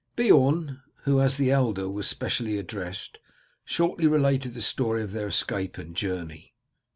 Beorn, who as the elder was specially addressed, shortly related the story of their escape and journey.